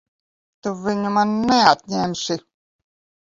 Tu viņu man neatņemsi!